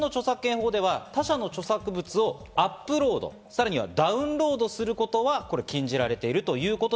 現行の著作権法では他社の著作物をアップロード、さらにはダウンロードすることは禁じられています。